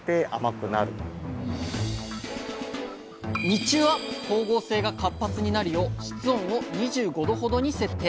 日中は光合成が活発になるよう室温を２５℃ほどに設定。